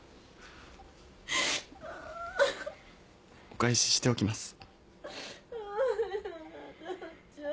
お返ししておきます。